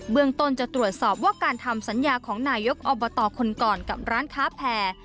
เมืองต้นจะตรวจสอบว่าการทำสัญญาของนายกอบตคนก่อนกับร้านค้าแผ่